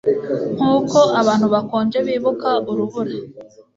nkuko abantu bakonje bibuka urubura-